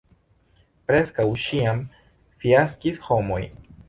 Preskaŭ ĉiam fiaskis homoj.